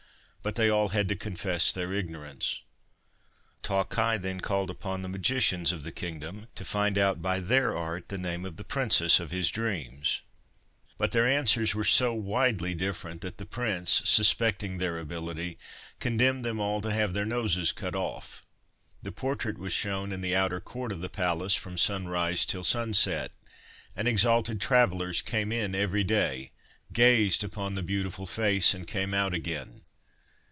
But they all had to confess their ignorance. Ta Khai then called upon the 171 THE STORY OF THE BIRD FENG magicians of the kingdom to find out by their art the name of the princess of his dreams, but their answers were so widely different that the prince, suspecting their ability, condemned them all to have their noses cut off. The portrait was shown in the outer court of the palace from sunrise till sunset, and exalted travellers came in every day, gazed upon the beautiful face, and came out again.